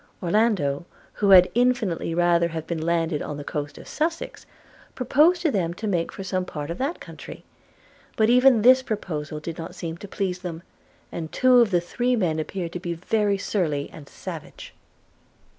Orlando, who had infinitely rather have been landed on the coast of Sussex, proposed to them to make for some part of that country; but even this proposal did not seem to please them, and two of the three men appeared to be very surly and savage.